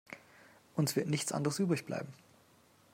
Uns wird nichts anderes übrig bleiben.